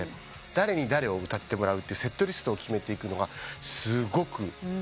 誰に誰を歌ってもらうっていうセットリストを決めていくのがすごく。